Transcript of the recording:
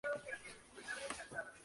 La columna es muy delgada, y curvado.